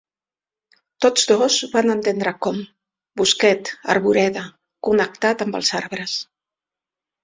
Tots dos van entendre com, bosquet, arboreda, connectat amb els arbres.